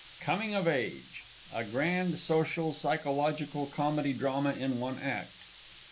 COMING OF AGE. _A GRAND SOCIAL PSYCHOLOGICAL COMEDY DRAMA IN ONE ACT.